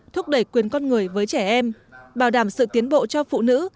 thúc đẩy quyền con người với trẻ em bảo đảm sự tiến bộ cho phụ nữ